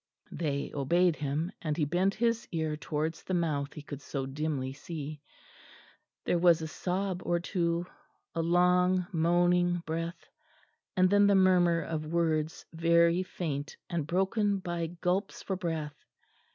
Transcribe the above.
They obeyed him; and he bent his ear towards the mouth he could so dimly see. There was a sob or two a long moaning breath and then the murmur of words, very faint and broken by gulps for breath.